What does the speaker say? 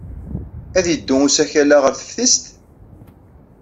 Ad yeddu usakal-a ɣer teftist?